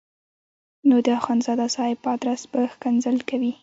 نو د اخندزاده صاحب په ادرس به ښکنځل کوي.